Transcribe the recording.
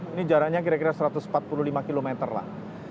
ini jaraknya kira kira satu ratus empat puluh lima km lah